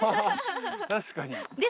確かにで